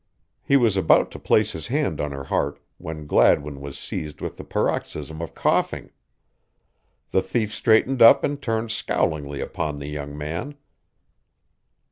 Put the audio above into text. He was about to place his hand on her heart when Gladwin was seized with a paroxysm of coughing. The thief straightened up and turned scowlingly upon the young man.